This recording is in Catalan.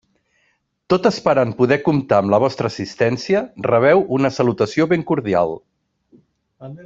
Tot esperant poder comptar amb la vostra assistència, rebeu una salutació ben cordial.